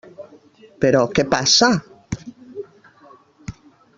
Però, què passa?